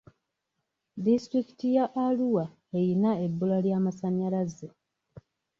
Disitulikiti y'Arua eyina ebbula ly'amasanyalaze.